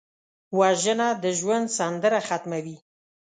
وژنه د ژوند سندره ختموي